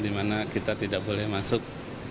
di mana kita tidak boleh masuk